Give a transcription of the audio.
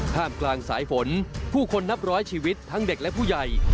กลางสายฝนผู้คนนับร้อยชีวิตทั้งเด็กและผู้ใหญ่